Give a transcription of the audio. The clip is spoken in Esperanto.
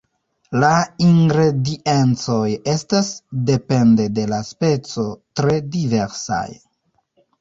La ingrediencoj estas, depende de la speco, tre diversaj.